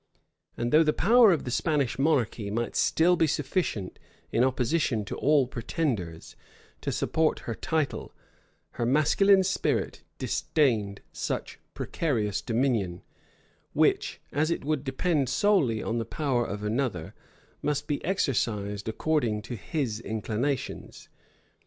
And though the power of the Spanish monarchy might still be sufficient, in opposition to all pretenders, to support her title, her masculine spirit disdained such precarious dominion, which, as it would depend solely on the power of another, must be exercised according to his inclinations.